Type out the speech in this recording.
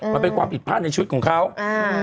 ว่าเป็นกว่าผิดภาพในชุดของเขาอ้า